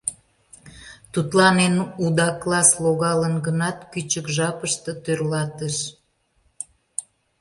Тудлан эн уда класс логалын гынат, кӱчык жапыште тӧрлатыш.